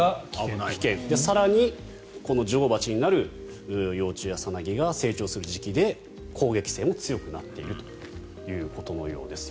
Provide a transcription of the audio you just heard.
更に女王蜂になる幼虫やさなぎが成長する時期で攻撃性も強くなっているということのようです。